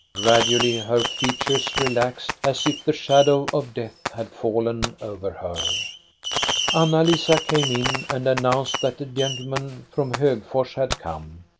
Gradually her features relaxed, as if the shadow of death had fallen over her. Anna Lisa came in and announced that the gentle men from Hogfors had come.